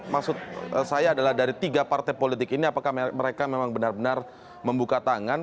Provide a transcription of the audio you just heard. maksud saya adalah dari tiga partai politik ini apakah mereka memang benar benar membuka tangan